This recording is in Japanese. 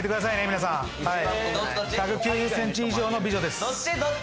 皆さん１９０ｃｍ以上の美女ですどっち？